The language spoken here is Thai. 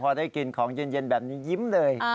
พอได้กินของเย็นแบบนี้ยิ้มเลย